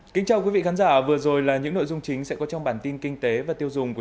kính chào quý vị khán giả vừa rồi là những nội dung chính sẽ có trong bản tin kinh tế và tiêu dùng của